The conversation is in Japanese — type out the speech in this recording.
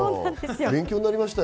勉強になりました。